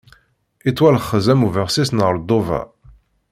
Ittwalxez am ubexsis n ṛṛḍuba.